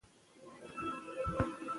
باسواده نجونې د خپلې ژبې خدمت کوي.